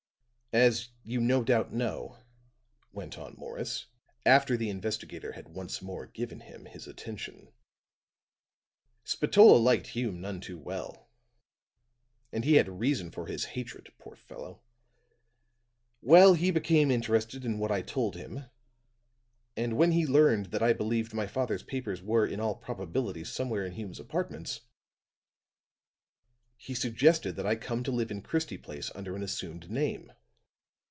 "As you no doubt know," went on Morris, after the investigator had once more given him his attention, "Spatola liked Hume none too well. And he had reason for his hatred, poor fellow. Well, he became interested in what I told him; and when he learned that I believed my father's papers were in all probability somewhere in Hume's apartments, he suggested that I come to live in Christie Place under an assumed name.